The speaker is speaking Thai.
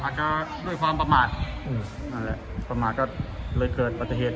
อาจจะด้วยความประมาทนั่นแหละประมาทก็เลยเกิดปฏิเหตุ